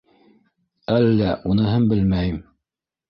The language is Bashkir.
— Әллә, уныһын белмәйем.